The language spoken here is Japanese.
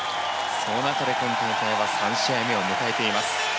その中で今大会は３試合目を迎えています。